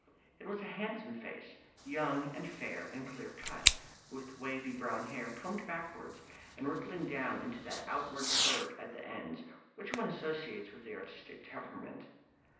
It was a handsome face, young and fair and clear cut, with wavy brown hair combed backwards and rippling down into that outward curve at the ends which one associates with the artistic temperament.